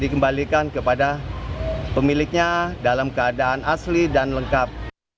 memiliki tas berisi uang ratusan juta rupiah